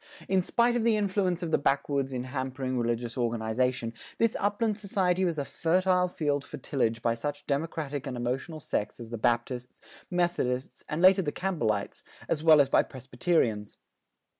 In spite of the influence of the backwoods in hampering religious organization, this upland society was a fertile field for tillage by such democratic and emotional sects as the Baptists, Methodists and the later Campbellites, as well as by Presbyterians.